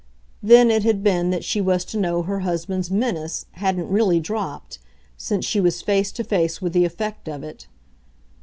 Then it had been that she was to know her husband's "menace" hadn't really dropped, since she was face to face with the effect of it.